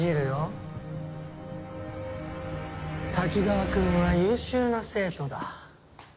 滝川くんは優秀な生徒だ。